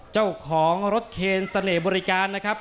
เจ้าของรถเคนเสน่ห์บริการนะครับ